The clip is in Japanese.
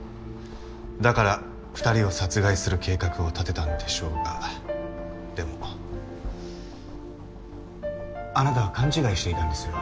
だから２人を殺害する計画を立てたんでしょうがでもあなたは勘違いしていたんですよ。